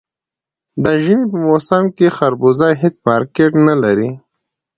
د ژمي په موسم کې خربوزه هېڅ مارکېټ نه لري.